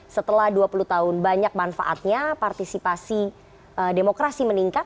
setelah dua puluh tahun banyak manfaatnya partisipasi demokrasi meningkat